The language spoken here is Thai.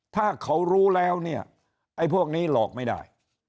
ถ้าเขารู้แล้วเนี่ยไอ้พวกนี้หลอกไม่ได้